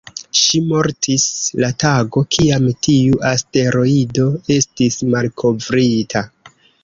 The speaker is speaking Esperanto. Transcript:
Ŝi mortis la tago, kiam tiu asteroido estis malkovrita.